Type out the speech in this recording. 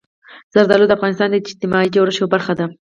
زردالو د افغانستان د اجتماعي جوړښت یوه برخه ده.